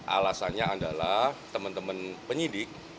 alasannya adalah teman teman penyidik